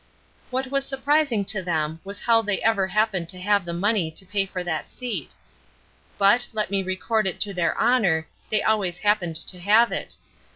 What was surprising to them was how they ever happened to have the money to pay for that seat; but, let me record it to their honor, they always happened to have it.